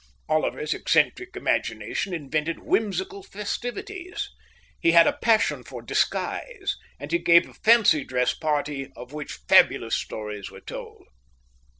Oliver's eccentric imagination invented whimsical festivities. He had a passion for disguise, and he gave a fancy dress party of which fabulous stories were told.